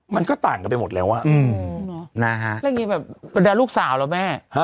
มันก็ต่างกันไปหมดแล้วอ่ะอืมนะฮะแล้วอย่างงี้แบบเป็นแดดลูกสาวแล้วแม่ฮะ